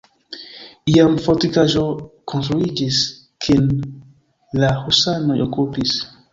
Iam fortikaĵo konstruiĝis, kin la husanoj okupis.